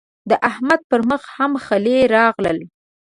د احمد پر مخ هم خلي راغلل.